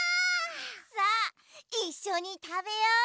さあいっしょにたべよう！